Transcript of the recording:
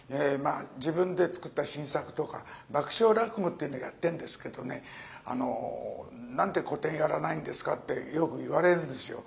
自分で作った新作とか爆笑落語っていうのやってんですけど何で古典やらないんですかってよく言われるんですよ。